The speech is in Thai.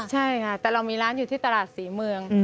ใช่ค่ะแต่เรามีร้านอยู่ที่ตลาดศรีเมือง